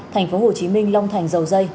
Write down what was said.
tp hcm long thành dầu dây